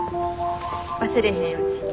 忘れへんうちに。